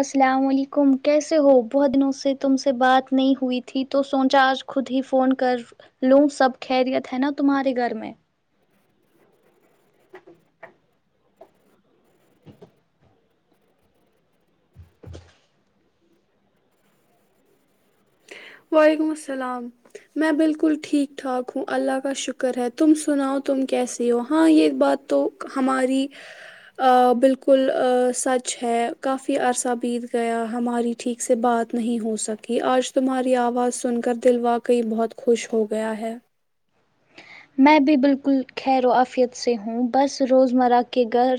السلام وعلیکم کیسے ہو بہت دنوں سے تم سے بات نہیں ہوئی تھی تو سوچا آج خود ہی فون کر لوں سب خیریت ہے نا تمہارے گھر میں ہ [inaudible] وعلیکم السلام میں بالکل ٹھیک ٹھاک ہوں اللہ کا شکر ہے تم س ناؤ تم کیسی ہو ہاں یہ بات تو ہماری ا بالکل ا سچ ہے کافی عرصہ بیت گیا ہماری ٹھیک سے بات نہیں ہو سکی آج تمہاری آواز سن کر دل واقعی بہت خوش ہو گیا ہے میں بھی بالکل خیر و آفیت سے ہوں بس روز مرہ کے گھر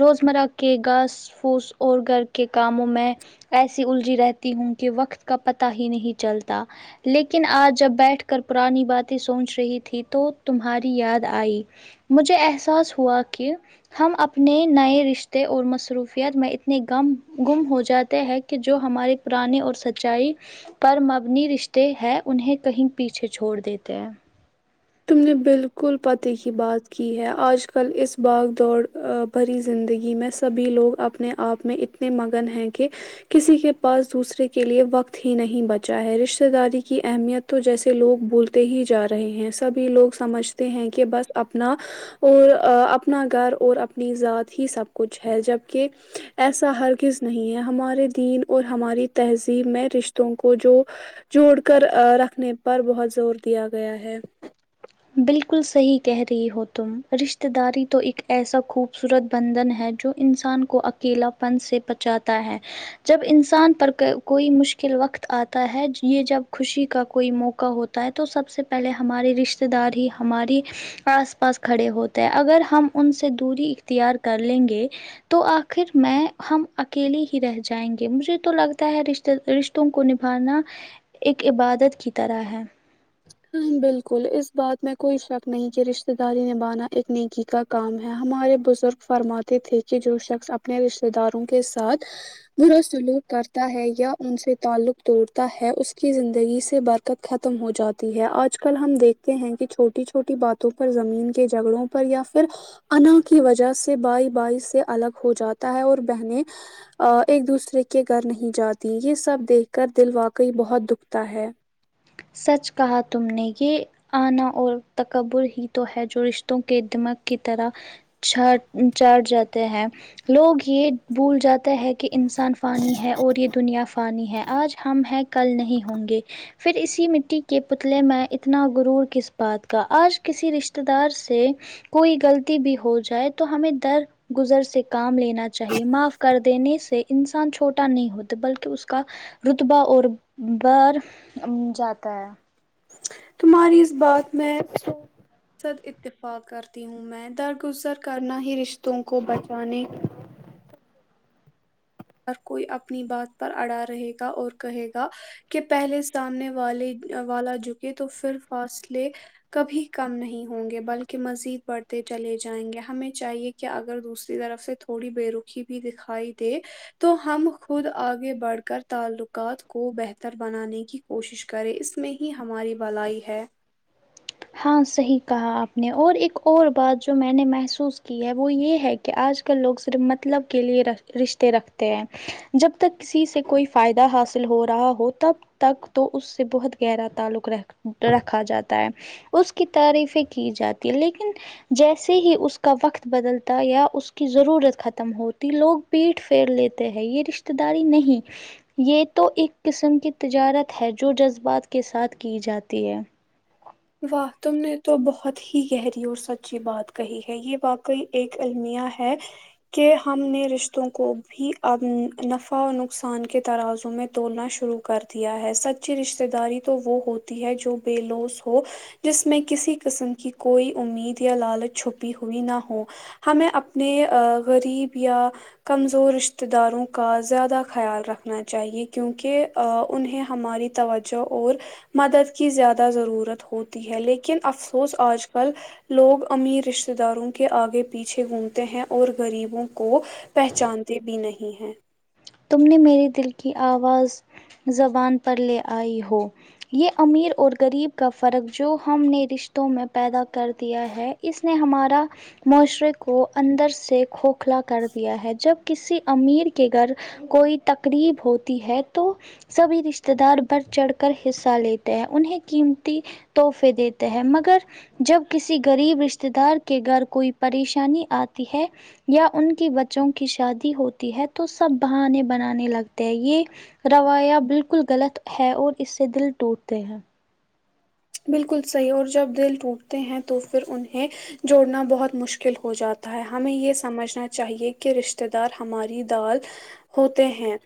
روزمرہ کے گاس پھوس اور گھر کے کاموں میں ایسی الجھی رہتی ہوں کہ وقت کا پتہ ہی نہیں چلتا لیکن آج جب بیٹھ کر پرانی باتیں سوچ رہی تھی تو تمہاری یاد آئی مجھے احساس ہوا کہ ہم اپنے نئے رشتے اور مصروفیت میں اتنے غم گم ہو جاتے ہیں کہ جو ہماری پرانی اور سچائی پر مبنی رشتے ہے انہیں کہیں پیچھے چھوڑ دیتے ہیں تم نے بالکل پتے کی بات کی ہے آج کل اس بھاگ دوڑ ا بھری زندگی میں سبھی لوگ اپنے آپ میں اتنے مگن ہیں کہ کسی کے پاس دوسرے کے لیے وقت ہی نہیں بچا ہے رشتے داری کی اہمیت تو جیسے لوگ بولتے ہی جا رہے ہیں سبھی لوگ سمجھتے ہیں کہ بس اپنا اور ا اپنا گھر اور اپنی ذات ہی سب کچھ ہے جبکہ ایسا ہرگز نہیں ہے ہمارے دین اور ہماری تہذیب میں رشتوں کو جو جوڑ کر ا رکھنے پر بہت زور دیا گیا ہے بالکل صحیح کہہ رہی ہو تم رشتتے داری تو ایک ایسا خو بصورت بندھن ہے جو انسان کو اکیلا پن سے پچاتا ہے جب انسان پر ک کوئی مشکل وقت آتا ہے یہ جب خوشی کا کوئی موقع ہو تا ہے تو سب سے پہلے ہمارے رشتے دار ہی ہماری آس پاس کھڑے ہوتے ہیں اگر ہم ان سے دوری اختیار کر لیں گے تو آخر میں ہم اکیلے ہی رہ جائیں گے مجھے تو لگتا ہے رشتے رشت وں کو نبھانا ایک عبادت کی طرح ہے ہاں بالکل اس بات میں کوئی شک نہیں کہ رشتتے داری نبھانا ایک نیکی کا کام ہے ہمارے بزرگ فرماتے تھے کہ جو شخص اپنے رشتے داروں کے ساتھ برا سلوک کرتا ہے یا ان سے تعلق توڑتا ہے اس کی زندگی سے بر کت ختم ہو جا تی ہے آج کل ہم دیکھتے ہیں کہ چھوٹی چھوٹی باتوں پر زمین کے جھگڑوں پر یا پھر انا کی وجہ سے بھائی بھائی سے الگ ہو جاتا ہے اور بہنیں ا ایک دوسرے کے گھر نہیں جاتی یہ سب دیکھ کر دل واقعی بہت دکھتا ہے سچ کہا تم نے کہ آنا اور تکبر ہی تو ہے جو رشتوں کے دمک کی طرح چھاٹ چاٹ جاتے ہیں لوگ یہ بھول جاتے ہے کہ انسان فانی ہے اور یہ دنیا فانی ہے آج ہم ہے کل نہیں ہوں گے پھر اسی مٹی کے پتلے میں اتنا غرور کس بات کا آج کسی رشتہ دار سے کوئی غلطی بھی ہو جائے تو ہمیں در گزر سے کام لینا چاہیے معاف کر دینے سے انسان چھوٹا نہیں ہوتا بلکہ اس کا رتبہ اور برھ جاتا ہے تمہاری اس بات میں سچ اتفاق ہے کرتی ہوں میں درگزر کرنا ہی رشتوں کو بچانے ہر کوئی اپنی بات پر اڑا رہے گا اور کہے گا کے پہلے سامنے والے والا جھکے تو پھر فاصلے کبھی کم نہیں ہوں گے بلکہ مزید بڑھتے چلے جائیں گے ہمیں چاہیے کہ اگر دوسری طرف سے تھوڑی بے رکھی بھی دکھائی دے تو ہم خود آگے بڑھ کر تعلقات کو بہتر بنانے کی کوشش کرے اس میں ہی ہماری بھلائی ہے ہاں صحیح کہا آپ نے اور ایک اور بات جو میں نے محسوس کی ہے وہ یہ ہے کہ آج کل لوگ صرف مطلب کے لیئے رشتے رکھتے ہیں جب تک کسی سے کوئی فائدہ حاصل ہو رہا ہو تب تک تو اس سے بہت گہرا تعلق رکھ رکھا جاتا ہے اس کی تعریفیں کی جاتی ہے لیکن جیسے ہی اس کا وقت بدلتا یا اس کی ضرورت ختم ہوتی لوگ پیٹ پھیر لیتے ہیں یہ رشتتے داری نہیں یہ تو ایک قسم کی تجارت ہے جو جذبات کے ساتھ کی جاتی ہے واہ تم نے تو بہت ہی گہری اور سچی بات کہی ہے یہ واقعی ایک المیہ ہے کہ ہم نے رشتوں کو بھی اب نفع و نقصان کے ترازوں میں تولنا شروع کر دیا ہے سچی رشتے داری تو وہ ہوتی ہے جو بےلوس ہو ہو جس میں کسی قسم کی کوئی امید یا لالچ چھپی ہوئی نہ ہو ہمیں اپنے آ غریب یا کمزور رشتتے داروں کا زیادہ خیال رکھنا چاہیے کیونکہ آ انہیں ہماری توجہ اور مدد کی زیادہ ضرورت ہوتی ہے لیکن افسوس آج کل لوگ امیر رشتتے داروں کے آگے پیچھے گھومتے ہیں اور غریبوں کو پہچانتے بھی نہیں ہیں تم نے میرے دل کی آواز زبان پر لے آئی ہو یہ امیر اور غریب کا فرق جو ہم نے رشتوں میں پیدا کر دیا ہے اس نے ہمارا معاشرے کو اندر سے کھوکھلا کر دیا ہے جب کسی امیر کے گھر کوئی تقریب ہوتی ہے تو سبھی رشتتے دار بڑھ چڑھ کر حصہ لیتے ہیں انہیں قیمتی تحفے دیتے ہیں مگر جب کسی غریب رشتے دار کے گھر کوئی پریشانی آتی ہے یا ان کی بچوں کی شادی ہوتی ہے تو سب بہانے بنانے لگتے ہیں یہ روایا بالکل غلط ہے اور اس سے دل ٹوٹتے ہیں بالکل صحیح اور جب دل ٹوٹتے ہیں تو پھر انہیں جوڑنا بہت مشکل ہو جاتا ہے ہمیں یہ سمجھنا چاہیے کہ رشتتے دار ہماری دال ہوتے ہیں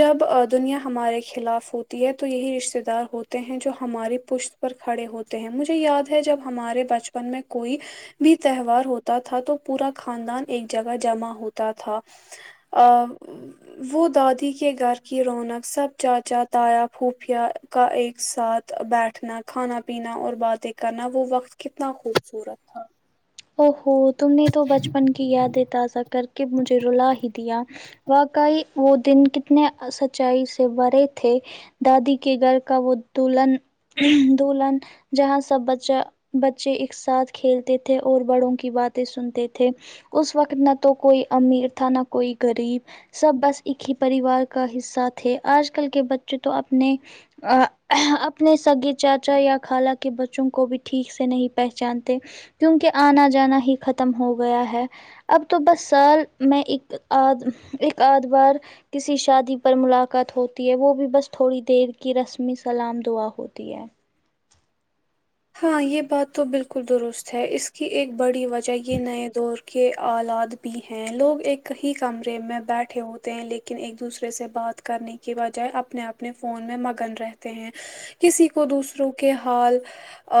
جب آ دنیا ہمارے خلاف ہوتی ہے تو یہی رشتے دار ہوتے ہیں جو ہماری پشت پر کھڑے ہوتے ہیں مجھے یاد ہے جب ہمارے بچپن میں کوئی بھی تہوار ہوتا تھا تو پورا خاندان ایک جگہ جمع ہوتا تھا آ وہ دادی کے گھر کی رونق سب چاچا تایا پھوپھیا کا ایک ساتھ بیٹھنا کھانا پینا اور باتیں کرنا وہ وقت کتنا خوبصورت تھا او ہو تم نے تو بچپن کی یادیں تازہ کر کے مجھے رلا ہی دیا واقعی وہ دن کتنے سچائی سے بھرے تھے دادی کے گھر کا وہ دلہن دلہن جہاں سب بچہ بچے ایک ساتھ کھیلتے تھے اور بڑوں کی باتیں سنتے تھے اس وقت نہ تو کوئی امیر تھا نہ کوئی غریب سب بس ایک ہی پریوار کا حصہ تھے آج کل کے بچے تو اپنے اپنے سگے چاچا یا خالہ کے بچوں کو بھی ٹھیک سے نہیں پہچانتے کیونکہ آنا جانا ہی ختم ہو گیا ہے اب تو بس سال میں ایک آد ایک آد بار کسی شادی پر ملاقات ہوتی ہے وہ بھی بس تھوڑی دیر کی رسمی سلام دعا ہو ہوتی ہے ہاں یہ بات تو بالکل درست ہے اس کی ایک بڑی وجہ یہ نئے دور کے آلات بھی ہیں لوگ ایک ہی کمرے میں بیٹھے ہوتے ہیں لیکن ایک دوسرے سے بات کرنے کی بجائے اپنے اپنے فون میں مگن رہتے ہیں کسی کو دوسروں کے حال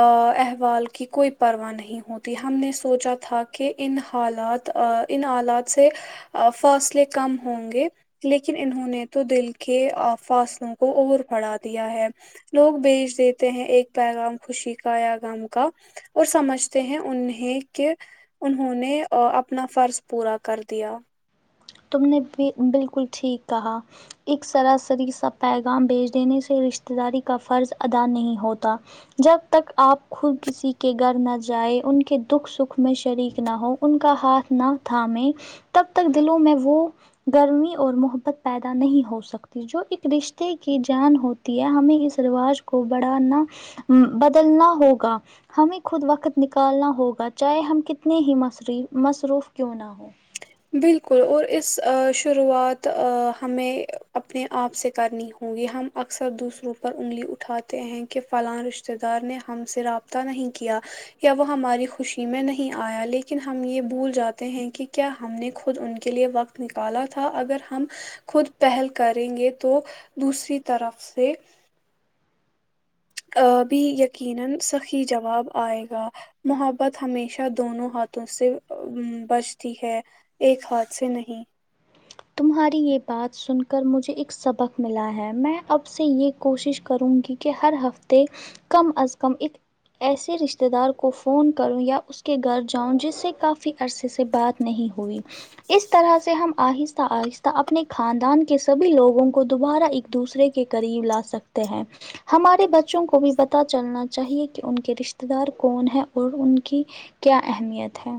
آ احوال کی کوئی پرواہ نہیں ہوتی ہم نے سوچا تھا کہ ان حالات آان حالات سے آ فاصلے کم ہونگے لیکن انہوں نے تو دل کے آ فاصلوں کو اور بڑھا دیا ہے لوگ بھیج دیتے ہیں ایک پیغام خوشی کا یا غم کا اور سمجھتے ہیں انہیں کہ انہوں نے آ اپنا فرض پورا کر دیا تم نے بھی بالکل ٹھیک کہا ایک سراسری سا پیغام بھیج دینے سے رشتے داری کا فرض ادا نہیں ہوتا جب تک آپ خود کسی کے گھر نہ جائیں ان کے دکھ سکھ میں شریک نہ ہو ان کا ہاتھ نہ تھامیں تب تک دلوں میں وہ گرمی اور محبت پیدا نہیں ہو سکتی جو ایک رشتے کی جان ہوتی ہے ہمیں اس رواج کو بڑھانا امم بدلنا ہوگا ہمیں خود وقت نکالنا ہوگا چاہے ہم کتنے بھی مصری مصروف کیوں نہ ہو بالکل اور اس آ شروعات آ ہمیں اپنے آپ سے کرنی ہو ہوں گی ہم اکثر دوسروں پر انگلی اٹھاتے ہیں کہ فلاں رشتےدار نے ہم سے رابط بطہ نہیں کیا یا وہ ہماری خوشی میں نہیں آیا لیکن ہم یہ بھول جاتے ہیں کہ کیا ہم نے خود ان کے لیے وقت نکالا تھا اگر ہم خود پہل کریں گے تو دوسری طرف سے کا بھی یقینا صحیح جواب آئے گا محبت ہمیشہ دونوں ہاتھوں سے امم بچتی ہے ایک ہاتھ سے نہیں تمہاری یہ بات سن کر مجھے ایک سبق ملا ہے میں اب سے یہ کوشش کروں گی کہ ہر ہفتے کم از کم ایک ایسے رشتے دار کو فون کروں یا اس کے گھر جاؤں جس سے کافی عرصے سے بات نہیں ہوئی اس طرح سے ہم آہست آہستہ آہستہ اپنے خاندان کے سبھی لوگوں کو دوبارہ ایک دوسرے کے قریب لا سکتے ہیں ہمارے بچوں کو بھی پتا چلنا چاہیے کہ ان کے رشتے دار کون ہیں اور ان کی کیا اہمیت ہے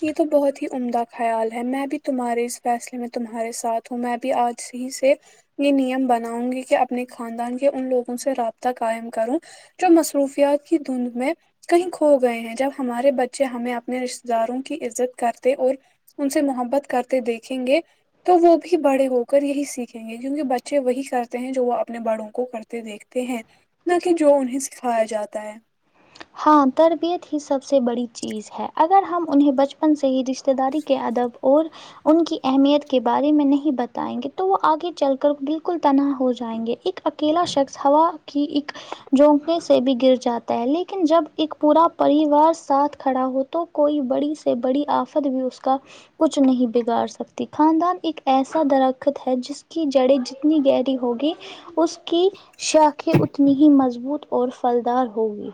یہ تو بہت ہی عمدہ خیال ہے میں بھی تمہارے اس فیصلے میں تمہارے ساتھ ہوں میں بھی آج ہی سے یہ نیم بناؤں گی کہ اپنے خاندان کے ان لوگوں سے رابطہ قائم کروں جو مصروفیات کی دھند میں کہیں کھو گئے ہیں جب ہمارے بچے ہمیں اپنے رشتتے داروں کی عزت کرتے اور ان سے محبت کرتے دیکھیں گے تو وہ بھی بڑے ہو کر یہی سیکھیں گے کیونکہ بچے وہی کرتے ہیں جو وہ اپنے بڑوں کو کرتے دیکھ تے ہیں نہ کہ جو انہیں سکھایا جاتا ہے ہاں تربیت ہی سب سے بڑی چیز ہے اگر ہم انہیں بچپن سے ہی رش تے داری کے ادب اور ان کی اہمیت کے بارے میں نہیں بتائیں گے تو وہ آگے چل کر بالکل تناہ ہو جائیں گے ایک اکیلا شخص ہوا کی ایک جھونکنے سے بھی گر جاتا ہے لیکن جب ایک پورا پریوار ساتھ کھڑا ہو تو کوئی بڑی سے بڑی آفت بھی اس کا کچھ نہیں بگاڑ سکتی خاندان ایک ایسا درخت ہے جس کی جڑیں جتنی گہری ہوگی اس کی شاخیں اتنی ہی مضبوط اور پھلدار ہوگی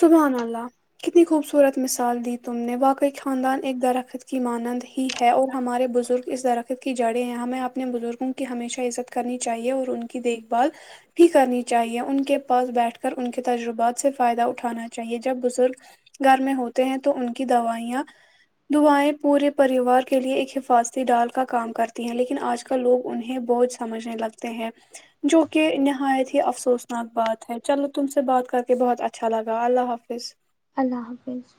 سبحان اللہ کتنی خوبصورت مثال دی تم نے واقعی خاندان ایک درخت کی مانند ہی ہے اور ہمارے بزرگ اس درخت کی جڑیں ہیں ہمیں اپنے بزرگوں کی ہمیشہ عزت کرنی چاہیے اور ان کی دیکھ بھال بھی کرنی چاہیے ان کے پاس بیٹھ کر ان کے تجربات سے فائدہ اٹھ انا چاہیے جب بزرگ گھر میں ہوتے ہیں تو ان کی دوائیاں دعائیں پورے پریوار کے لیے ایک حفاظتی ڈال کا کام کرتی ہیں لیکن آج کل لوگ انہیں بوج سمجھنے لگتے ہیں جو کہ نہایت ہی افسوسناک بات ہے چلو تم سے بات کر کے بہت اچھا لگا اللہ حافظ اللہ حافظ